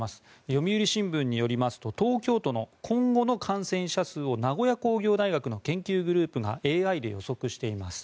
読売新聞によりますと東京都の今後の感染者数を名古屋工業大学の研究グループがＡＩで予測しています。